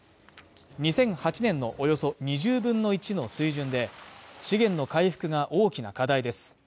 ２００８年のおよそ２０分の１の水準で資源の回復が大きな課題です。